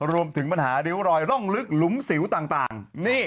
รวมถึงปัญหาริ้วรอยร่องลึกหลุมสิวต่าง